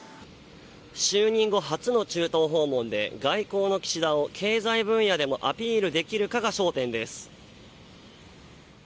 就任後、初の中東訪問で外交の岸田を経済分野でもアピールできるかが焦点です。